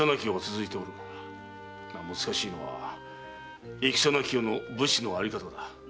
難しいのは戦なき世の武士のあり方だ。